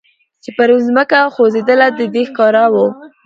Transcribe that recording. چي پر مځکه خوځېدله د ده ښکار وو